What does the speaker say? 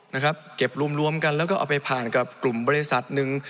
นะครับเก็บรวมรวมกันแล้วก็เอาไปผ่านกับกลุ่มบริษัทหนึ่ง